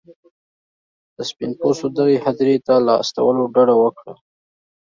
د سپین پوستو دغې هدیرې ته له استولو ډډه وکړه.